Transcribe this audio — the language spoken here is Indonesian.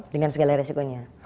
dengan segala resikonya